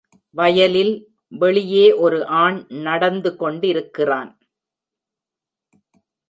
வயலில் வெளியே ஒரு ஆண் நடந்து கொண்டிருக்கிறான்.